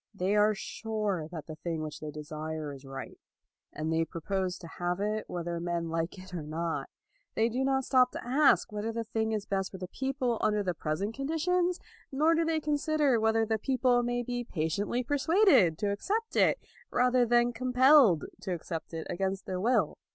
They are sure that the thing which they desire is right, and they propose to have it whether men like it or not. They do not stop to ask whether the thing is best for the people under the present conditions, nor do they consider whether the people may be patiently persuaded to accept it, rather than compelled to accept it against their will.